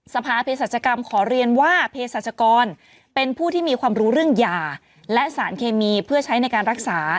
สภาเพศรัชกรรมขอเรียนว่าเพศรัชกรเป็นผู้ที่มีความรู้เรื่องยาและสารเคมีเพื่อใช้ในการรักษา